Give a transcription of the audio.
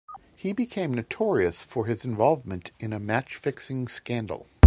He became notorious for his involvement in a match-fixing scandal.